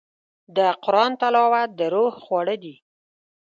د قرآن تلاوت د روح خواړه دي.